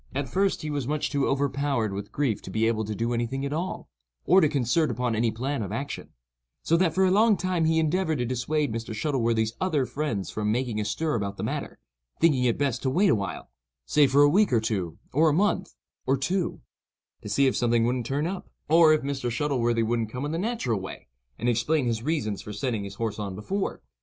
At first he was too much overpowered with grief to be able to do any thing at all, or to concert upon any plan of action; so that for a long time he endeavored to dissuade Mr. Shuttleworthy's other friends from making a stir about the matter, thinking it best to wait awhile—say for a week or two, or a month, or two—to see if something wouldn't turn up, or if Mr. Shuttleworthy wouldn't come in the natural way, and explain his reasons for sending his horse on before.